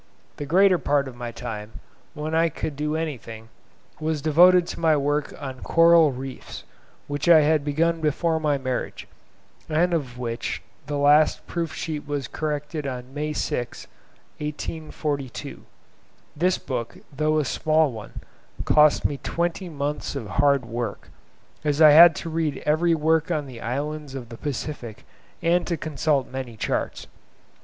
The greater part of my time, when I could do anything, was devoted to my work on 'Coral Reefs,' which I had begun before my marriage, and of which the last proof sheet was corrected on May 6th, 1842. This book, though a small one, cost me twenty months of hard work, as I had to read every work on the islands of the Pacific and to consult many charts.